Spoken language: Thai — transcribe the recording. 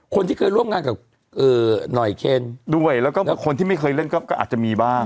คนที่เคยร่วมงานกับหน่อยเคนด้วยแล้วก็คนที่ไม่เคยเล่นก็อาจจะมีบ้าง